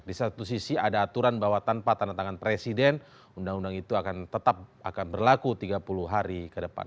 di satu sisi ada aturan bahwa tanpa tanda tangan presiden undang undang itu akan tetap akan berlaku tiga puluh hari ke depan